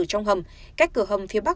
trong hầm cách cửa hầm phía bắc